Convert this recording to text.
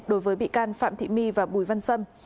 đối với bị can phạm thị my và bùi văn sâm